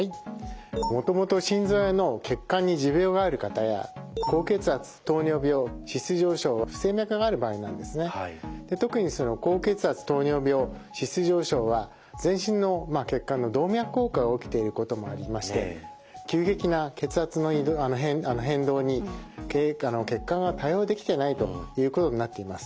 もともと心臓や脳血管に持病がある方や特に高血圧・糖尿病・脂質異常症は全身の血管の動脈硬化が起きていることもありまして急激な血圧の変動に血管が対応できていないということになっています。